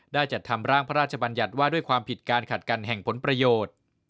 ได้จัดทำร่างพระราชบัญญัติว่าด้วยความผิดการขัดกันแห่งผลประโยชน์